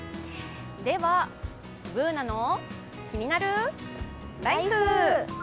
では、「ＢｏｏｎａのキニナルＬＩＦＥ」。